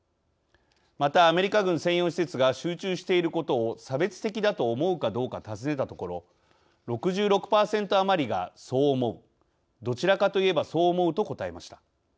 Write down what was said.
またアメリカ軍専用施設が集中していることを差別的だと思うかどうか尋ねたところ、６６％余りがそう思うどちらかといえばそう思うと答えました。